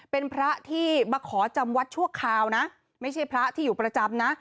เป็นพระที่มาขอจำวัดชั่วคราวนะไม่ใช่พระที่อยู่ประจำนะ